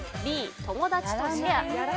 Ｂ、友達とシェア。